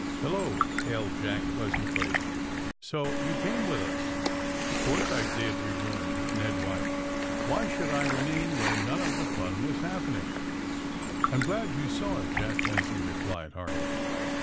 "Hello!" hailed Jack pleasantly. "So you came with us ?" "Of course I did," rejoined Ned White. "Why should I remain where none of the fun was happening^" "I'm glad you saw it," Jack Benson replied heartily.